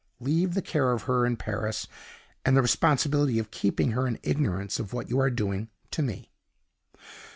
Leave the care of her in Paris, and the responsibility of keeping her in ignorance of what you are doing, to me.